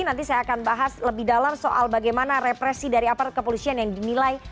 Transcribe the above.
nanti saya akan bahas lebih dalam soal bagaimana represi dari aparat kepolisian yang dinilai